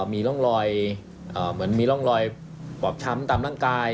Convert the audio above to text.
มีร่องรอยเหมือนมีร่องรอยบอบช้ำตามร่างกาย